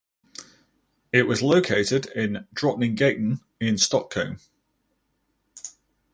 It was located in Drottninggatan in Stockholm.